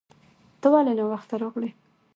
ته ولې ناوخته راغلې